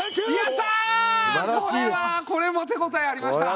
これはこれも手応えありました。